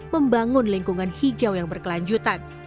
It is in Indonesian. membangun lingkungan hijau yang berkelanjutan